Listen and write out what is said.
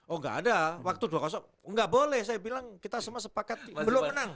oh nggak ada waktu dua nggak boleh saya bilang kita semua sepakat belum menang